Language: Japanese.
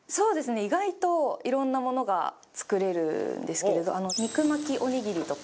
意外といろんなものが作れるんですけれど肉巻きおにぎりとか。